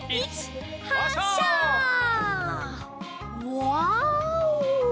ワオ！